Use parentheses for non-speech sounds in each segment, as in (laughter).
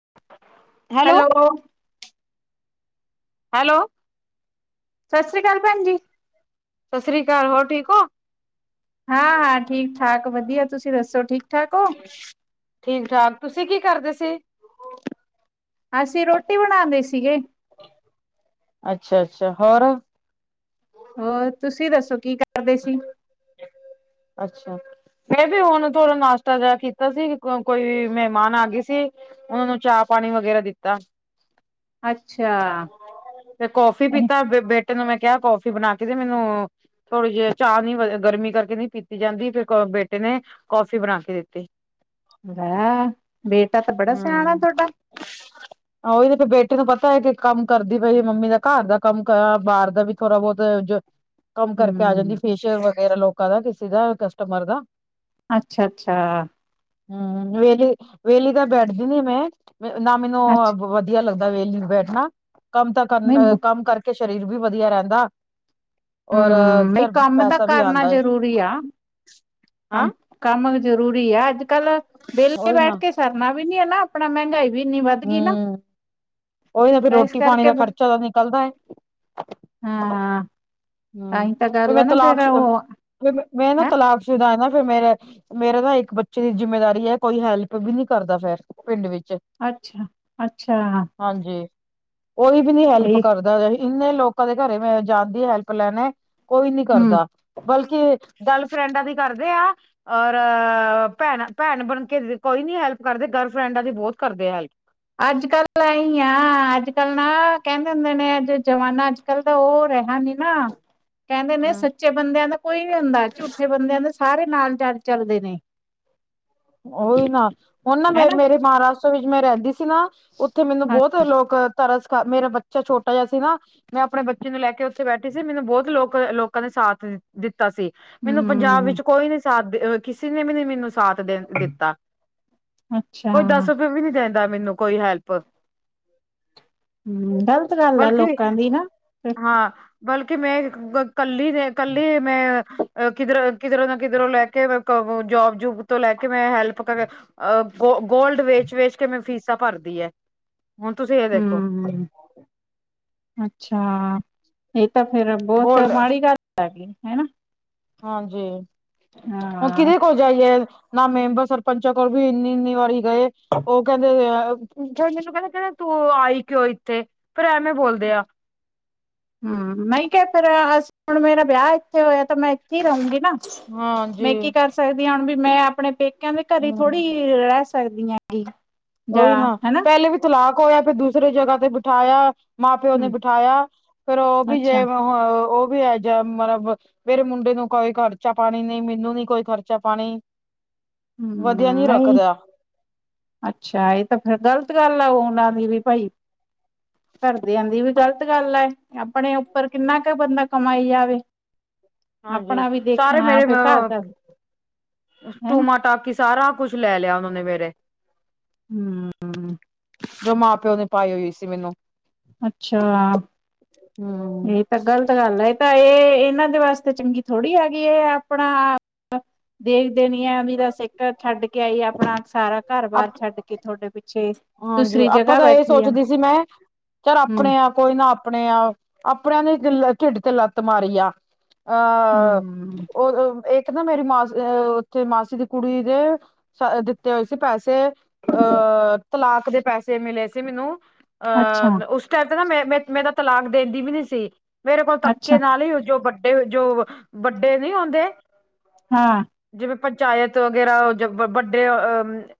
(inaudible) Hello. Hello. ਸਸ੍ਰੀ ਕਾਲ ਭੈਣ ਜੀ। ਸਸ੍ਰੀ ਕਾਲ। ਹੋਰ ਠੀਕ ਓ? ਹਾਂ- ਹਾਂ, ਠੀਕ -ਠਾਕ ਵਧੀਆ ਤੁਸੀ ਦਸੋ ਠੀਕ ਠਾਕ ਓ। ਠੀਕ-ਠਾਕ। ਤੁਸੀਂ ਕੀ ਕਰਦੇ ਸੀ? ਅਸੀਂ ਰੋਟੀ ਬਣਾਉਂਦੇ ਸੀਗੇ ਅੱਛਾ-ਅੱਛਾ, ਹੋਰ ਹੋਰ, ਤੁਸੀਂ ਦੱਸੋ ਕੀ ਕਰਦੇ ਸੀ ਅੱਛਾ। ਫਿਰ ਵੀ ਉਹਨੂੰ ਥੋੜਾ ਨਾਸ਼ਤਾ ਜਿਹਾ ਕੀਤਾ ਸੀ, ਕੋਈ ਮਹਿਮਾਨ ਆ ਗਏ ਸੀ ਓਨਾਂ ਨੂੰ ਚਾਹ ਪਾਣੀ ਵਗੈਰਾ ਦਿੱਤਾ। ਅੱਛਾ। ਤੇ ਕੌਫੀ ਪੀਤਾ, ਬੇਟੇ ਨੂੰ ਮੈਂ ਕਿਹਾ ਕੌਫੀ ਬਣਾ ਕੇ ਦੇ ਮੈਨੂੰ ਥੋੜੀ ਜਈ ਚਾਹ ਨੀ ਵ ਅ ਗਰਮੀ ਕਰਕੇ ਨਈਂ ਪੀਤੀ ਜਾਂਦੀ ਫੇਰ ਕੌ ਬੇਟੇ ਨੇ ਕੌਫੀ ਬਣਾ ਕੇ ਦਿੱਤੀ। ਲੈ, ਬੇਟਾ ਤਾਂ ਬੜਾ ਸਿਆਣਾ ਤੁਹਾਡਾ। ਆਹ ਓਹੀ ਤੇ ਫੇਰ ਬੇਟੀ ਨੂੰ ਪਤਾ ਐ ਕਿ ਕੰਮ ਕਰਦੀ ਤੇਰੀ ਮੰਮੀ ਦਾ ਘਰ ਦਾ ਕੰਮ ਕਰਾ, ਬਾਹਰ ਦਾ ਵੀ ਥੋੜਾ ਬਹੁਤ ਜੋ ਕੰਮ ਕਰਕੇ ਆ ਜਾਂਦੀ ਹੂੰ। ਫੇਸ਼ੀਅਲ ਵਗੈਰਾ ਲੋਕਾਂ ਦਾ ਕਿਸੇ ਦਾ ਕਸਟਮਰ ਦਾ ਅੱਛਾ -ਅੱਛਾ ਹਮ ਵੇਲੀ, ਵੇਲੀ ਤਾਂ ਬੈਠਦੀ ਨੀ ਮੈਂ ਨਾ ਮੈਨੂੰ ਅੱਛਾ (unintelligible) ਵਧੀਆ ਲੱਗਦਾ ਵੇਲੀ ਨੂੰ ਬੈਠਣਾ ਕੰਮ ਤਾਂ ਨਹੀਂ ਕਰ ਹੂੰ, ਕੰਮ ਕਰਕੇ ਸ਼ਰੀਰ ਵੀ ਵਧੀਆ ਰੈਂਦਾ। ਔਰ, ਨਹੀਂ ਚਿਰ ਕੰਮ ਤਾਂ ਪੈਸਾ ਵੀ ਕਰਨਾ ਆਉਂਦਾ ਜ਼ਰੂਰੀ ਆ ਹੈਂ ਕੰਮ, ਕੰਮ ਜ਼ਰੂਰੀ ਆ ਅੱਜ ਕੱਲ, ਵਿਹਲੇ ਉਹੀ ਨਾ ਬੈਠ ਕੇ ਸਰਨਾ ਵੀ ਨੀ ਹੈ ਨਾ ਆਪਣਾ ਮਹਿੰਗਾਈ ਵੀ ਇੰਨੀ ਵੱਦ ਗਈ ਨਾ, ਹੂੰ ਉਹੀ ਨਾ ਫਿਰ ਤਾਂ ਏਸ ਰੋਟੀ ਪਾਣੀ ਕਰਕੇ ਦਾ ਖਰਚਾ ਤਾਂ ਨਿਕਲਦਾ ਹੈ ਹਾਂ ਹੂੰ ਆਹੀ ਤਾਂ ਗੱਲ ਮੈਂ ਆ ਨਾ ਫੇਰ ਤਲਾਕ ਉਹ ਫਿਰ ਮੈਂ ਨਾ ਹੈਂ ਤਲਾਕਸ਼ੁਦਾ ਦਾ ਨਾ ਫਿਰ ਮੇਰਾ ਮੇਰੇ ਨਾਂ ਇਕ ਬੱਚੇ ਦੀ ਜਿੰਮੇਦਾਰੀ ਹੈ। ਕੋਈ ਹੈਲਪ ਵੀ ਨੀ ਕਰਦਾ ਫੇਰ ਪਿੰਡ ਵਿਚ। ਅੱਛਾ-ਅੱਛਾ। ਹਾਂਜੀ, ਕੋਈ ਵੀ ਨੀ ਹੈਲਪ ਕਰਦਾ ਇੰਨੇ ਲੋਕਾਂ ਦੇ ਘਰੇ ਮੈਂ ਜਾਂਦੀ ਹੈਲਪ ਕਲੈਣੈ ਕੋਈ ਨੀ ਹੂੰ ਕਰਦਾ ਬਲਕਿ ਗਰਲਫਰੈਂਡਾਂ ਦੀ ਕਰਦੇ ਆ। ਔਰ ਭੈਣਾ- ਭੈਣ ਬਣਕੇ ਕੋਈ ਨੀ ਹੈਲਪ ਕਰਦੇ ਗਰਲਫਰੈਂਡਾਂ ਦੀ ਬੌਤ ਕਰਦੇ ਹੈਲਪ। ਅੱਜ-ਕੱਲ ਐਈ ਆ, ਅੱਜ-ਕੱਲ ਨਾ ਕੈੰਦੇ ਹੁੰਦੇ ਨੇ ਜੇ ਜਮਾਨਾ ਜ ਕੱਲ ਤਾਂ ਉਹ ਰਿਹਾ ਨੀ ਨਾ ਕਹਿੰਦੇ ਨੇ ਹੈਲਪ ਸੱਚੇ ਬੰਦਿਆਂ ਦਾ ਕੋਈ ਨੀ ਹੁੰਦਾ, ਝੂਠੇ ਬੰਦਿਆਂ ਦੇ ਸਾਰੇ ਨਾਲ ਚੱਲ ਚੱਲਦੇ ਨੇ। ਉਹੀ ਨਾ, ਹੁਣ ਨਾ ਮੈਂ, ਹਨਾ ਮੇਰੇ ਮਹਾਰਾਸ਼ਟਰ ਵਿੱਚ ਮੈਂ ਰਹਿੰਦੀ ਸੀ ਤੀ ਨਾ, ਉੱਥੇ ਮੈਨੂੰ ਬੋਤ ਲੋਕ ਤਰਸ ਖਾ, ਮੇਰਾ ਬੱਚਾ ਛੋਟਾ ਜਾ ਸੀ ਨਾ ਨੂ ਅਪਣੇਂ ਬੱਚੇ ਨੂੰ ਲੈਕੇ ਓਥੇ ਬੈਠੀ ਸੀ, ਮੈਨੂੰ ਬੌਤ ਲੋਕ, ਲੋਕਾਂ ਨੇ ਸਾਥ ਦਿੱਤ ਦਿੱਤਾ ਸੀ, ਮੈਨੂੰ ਪੰਜਾਬ ਹੂੰ ਵਿੱਚ ਕੋਈ ਨੀ ਸਾਥ, ਦੇ ਕਿਸੀ ਨੇ ਵੀ ਨੀ ਮੈਨੂੰ ਸਾਥ ਦੇਣ ਦਿੱਤਾ, ਅੱਛਾ ਕੋਈ ਦੱਸ ਹੂੰ ਰੁਪਏ ਵੀ ਨਹੀ ਦੇੰਦਾ, ਮੈਨੂੰ ਕੋਈ ਹੈਲਪ। ਹੂੰ, ਗ਼ਲਤ ਗੱਲ ਆ, ਬਲਕਿ ਲੋਕਾਂ ਦੀ ਨਾ। ਹਾਂ, ਬਲਕਿ ਮੇਂ, ਕੱਲੀ ਦੇ, ਕੱਲੀ ਮੇਂ ਅ, ਕਿਧਰ, ਕਿਧਰੋਂ ਨਾ ਕਿਧਰੋਂ ਲੈਕੇ ਮੈਂ ਕੋ--ਜੋਬ-ਜੂਬ ਤੋਂ ਲੈਕੇ ਕਿ 'ਮੈਂ' ਹੈਲਪ ਕਰ ਅ, ਗੋ ਗੋਲਡ ਵੇਚ-ਵੇਚਕੇ ਮੈਂ ਫੀਸਾਂ ਭਰਦੀ ਹੈ। ਹੁਣ ਤੁਸੀ ਹ ਹੂੰ, ਹੂੰ, ਅੱਛਾ। ਏ ਤਾਂ ਫਿਰ ਬਹੁਤ ਗੋਲਡ ਮਾੜੀ ਗੱਲ ਹੈਗੀ, ਹੈਨਾ। ਹਾਂਜੀ, ਹੁਣ ਹਾਂ ਕਿਹਦੇ ਕੋਲ ਜਾਈਏ, ਨਾ ਮੈਂਬਰ ਸਰਪੰਚਾਂ ਕੋਲ ਵੀ ਇੰਨੀ-ਇੰਨੀ ਵਾਰੀ ਗਏ, ਓਹ ਕਹਿੰਦੇ ਏ ਜਦੋ ਮੈਨੂੰ ਕਹਿੰਦੇ ਤੂੰ ਆਈ ਕਿਉਂ ਇੱਥੇ? ਫਿਰ ਐਂਵੇਂ ਬੋਲਦੇ ਆ। ਹੂੰ, ਨਹੀ ਕਿਹ ਫੇਰ ਅਸ, ਹੁਣ ਮੇਰਾ ਵਿਆਹ ਏ ਇੱਥੇ ਹੋਇਆ ਤਾਂ ਮੈਂ ਇੱਥੇ ਹੀ ਰਹੂੰਗੀ ਨਾ, ਮੈਂ ਹਾਂਜੀ ਕੀ ਕਰ ਸਕਦੀ ਹਾਂ ਹੁਣ ਵੀ 'ਮੈਂ' ਆਪਣੇ ਪੇ ਪੇਕਿਆਂ ਦੇ ਘਰੇ ਹਮ ਥੋੜੀ, ਰਹਿ ਸਕਦੀ ਆਂ ਵੀ। ਓਹੀ ਨਾ, ਪਹਿਲੇ ਵੀ ਤਲਾਕ ਹੋਇਆ, ਫਿਰ ਦੂਸਰੇ ਜਗ੍ਹਾ ਤੇ ਬਿਠਾਇਆ ਮਾਂ-ਪਿਓ ਨੇ ਹਮ ਬਿਠਾਇਆ, ਫਿਰ ਉਹ ਵੀ ਅੱਛਾ ਜੇ, ਉਹ ਵੀ ਅਹੈਜਾ ਮਤਲਬ ਮੇਰੇ ਮੁੰਡੇ ਨੂੰ ਕੋਈ ਖਰਚਾ-ਪਾਣੀ ਨੀ, ਮੈਨੂੰ ਨੀ ਕੋਈ ਖਰਚਾ-ਪਾਣੀ। ਹੂੰ, ਨਹੀਂ ਅੱਛਾ ਏਹ ਤਾਂ ਫਿਰ ਗਲ ਗਲਤ ਗੱਲ ਆ ਉਹਨਾਂ ਦੀ ਵੀ ਭਾਈ, ਘਰਦਿਆਂ ਦੀ ਵੀ ਗ਼ਲਤ ਗੱਲ ਆ ਏ। ਆਪਣੇ ਉੱਪਰ ਕਿੰਨਾ ਕੁ ਬੰਦਾ ਕਮਾਈ ਜਾਵੇ। ਹਾਂਜੀ, ਆਪਣਾ ਵੀ ਸਾਰੇ ਦੇਖਣਾ ਮੇਰੇ ਫਿਰ ਘਰ ਅ ਦਾ ਹੈਨਾ ਟੂਮਾ, ਟਾਕੀ ਸਾਰਾ ਕੁਛ ਲੈਲਿਆ, ਉਹਨਾਂ ਨੇ ਮੇਰੇ ਹੂੰ। ਜੋ ਮਾਂ-ਪਿਓ ਨੇ ਪਾਈ ਹੋਈ ਸੀ, ਮੈਨੂੰ। ਅੱਛਾ। ਹੂੰ। ਇਹ ਤਾਂ ਗ਼ਲਤ ਗੱਲ ਆ ਏ ਤਾ, ਏ ਏਨਾਂ ਦੇ ਵਾਸਤੇ ਚੰਗੀ ਥੋੜ੍ਹੀ ਹੈਗੀ ਏ, ਏਹ ਆਪਣਾ ਦੇਖਦੇ ਨੀ ਐ ਵੀਰਾ, ਸੇਕਾ ਛੱਡਕੇ ਆਈ ਆਪਣਾ ਸਾਰਾ ਘਰ-ਬਾਰ ਛੱਡ ਕੇ ਥੋਡੇ ਪਿੱਛੇ ਹਾਂਜੀ, ਦੂਸਰੀ ਆਪਾਂ ਜਗ੍ਹਾ ਤਾਂ ਇਹ ਬੈਠੀ ਆ ਸੋਚਦੀ ਸੀ ਮੈਂ, ਚਾਰ ਹੂੰ ਆਪਣੇ ਆਪ ਕੋਈ ਨਾ ਆਪਣੇ ਆ, ਆਪਣਿਆਂ ਨੇ ਢਿੱਡ ਤੇ ਲੱਤ ਮਾਰੀ ਆ। ਹੂੰ ਅਹ--ਉਹ ਇੱਕ ਨਾ ਮੇਰੀ ਮਾਸੀ ਉੱਥੇ ਮਾਸੀ ਦੀ ਕੁੜੀ ਦੇ ਦਿੱਤੇ ਹੋਏ ਸੀ ਪੈਸੇ, ਅਹ ਤਲਾਕ ਦੇ ਪੈਸੇ ਮਿਲੇ ਸੀ ਮੀਨੂੰ, ਅੱਛਾ ਅਹ ਉਸ ਤੇ, ਨਾ ਮੈਂ ਮ ਮੇਰਾ ਤਲਾਕ ਦੇਂਦੀ ਵੀ ਨੀ ਸੀ, ਮੇਰੇ ਕੋਲ ਅੱਛਾ ਤੱਕੇ ਨਾਲ ਹੀ ਜੋ ਫੇਰ, ਜੋ ਵੱਡੇ ਨਹੀਂ ਓਂਦੇ ਹਾਂ। ਜਿਵੇਂ ਪੰਚਾਇਤ ਵਗੈਰਾ ਜ, ਵੱਡੇ ਅ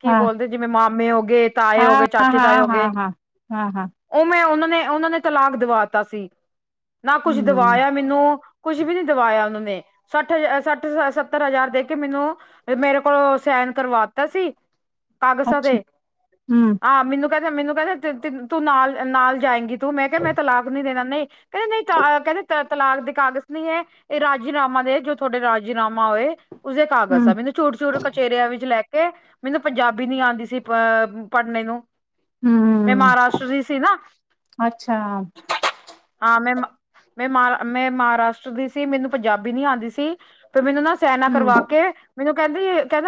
ਕੀ ਹਾਂ ਬੋਲਦੇ, ਜਿਵੇਂ ਮਾਂ ਹੋ ਗਏ, ਤਾਏ ਹਾਂ ਹੋਗੇ, ਹਾਂ ਚਾਚੇ-ਤਾਏ ਹੋ ਹਾਂ ਗਏ। ਹਾਂ ਹਾਂ ਹਾਂ ਹਾਂ ਉਵੇਂ ਉਹਨਾਂ ਨੇ, ਉਹਨਾਂ ਨੇ ਤਲਾਕ ਦਵਾਤਾ ਸੀ, ਨਾ ਕੁਛ ਹੂੰ ਦਵਾਇਆ ਮੀਂਨੂੰ ਕੁਛ ਵੀ ਨੀ ਦਵਾਇਆ ਓਹਨਾਂ ਨੇ, ਸੱਠ, ਹਜ਼ ਸੱਠ, ਸੱਤਰ ਹਜ਼ਾਰ ਦੇਕੇ ਮੀਨੂੰ ਮੇਰੇ ਕੋਲੋਂ ਸਹਿਨ ਕਰਵਾਤਾ ਸੀ, ਕਾਗਜ਼ਾਂ ਤੇ ਅੱਛਾ ਹੂੰ ਆਹ ਮੈਨੂੰ ਕਹਿੰਦੇ, ਮੈਨੂੰ ਕਹਿੰਦੇ ਤੂੰ ਨਾਲ, ਨਾਲ ਜਾਏਂਗੀ ਤੂੰ ਮੈਂ ਕਿਹਾ ਮੈਂ ਤਲਾਕ ਨੀ ਦੇਣਾ, ਨਹੀਂ, ਕਹਿੰਦੇ ਨਹੀਂ ਤ ਕਹਿੰਦੇ ਤ ਤਲਾਕ ਦੀ ਕਾਗਜ਼ ਨਹੀਂ ਐ ਇਹ ਰਾਜੀਨਾਮਾ ਦੇ, ਜੋ ਤੁਹਾਡੇ ਰਾਜੀਨਾਮਾ ਹੋਏ। ਉਸਦੇ ਕਾਗਜ਼ ਸਾ ਹੂੰ ਮੈਨੂੰ ਚੂਟ ਚੂਟ ਕਚੇਰਿਆਂ ਵਿੱਚ ਲੈ ਕੇ, ਮੈਨੂੰ ਪੰਜਾਬੀ ਨੀ ਆਉਂਦੀ ਸੀ। ਅ ਪੜਨੇ ਨੂੰ ਮੈਂ ਹੂੰ ਮਹਾਰਾਸ਼ਟਰ ਦੀ ਸੀ ਨਾ, ਅੱਛਾ ਹਾਂ ਮੈਂ ਮਾ ਮੈਂ ਮਾ ਮੈਂ ਮਹਾਰਾਸ਼ਟਰ ਦੀ ਸੀ, ਮੈਨੂੰ ਪੰਜਾਬੀ ਨੀ ਆੰਦੀ ਸੀ, ਪਰ ਮੈਨੂੰ ਨਾ ਚੈਨਾ ਹੂੰ ਕਰਵਾ ਕੇ, ਮੈਨੂੰ ਕਹਿੰਦੀ ਕਹਿੰਦਾ।